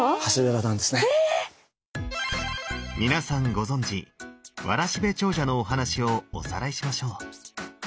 皆さんご存じ「わらしべ長者」のお話をおさらいしましょう。